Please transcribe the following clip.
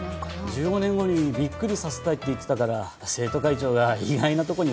１５年後にびっくりさせたいって言ってたから生徒会長が意外なとこに埋めたのかもね